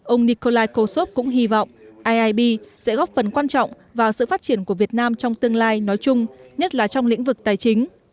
ông nikolai kutsov cũng hy vọng iib sẽ góp phần quan trọng vào sự phát triển của việt nam trong tương lai nói chung nhất là trong lĩnh vực tài chính